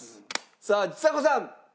さあちさ子さん。